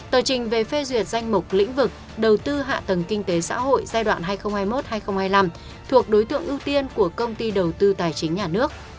tờ trình về phê duyệt danh mục lĩnh vực đầu tư hạ tầng kinh tế xã hội giai đoạn hai nghìn hai mươi một hai nghìn hai mươi năm thuộc đối tượng ưu tiên của công ty đầu tư tài chính nhà nước